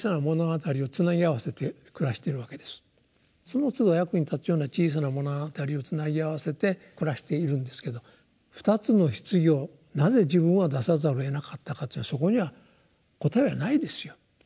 そのつど役に立つような「小さな物語」をつなぎ合わせて暮らしているんですけど「２つの棺をなぜ自分は出さざるをえなかったか」っていうのはそこには答えはないですよ。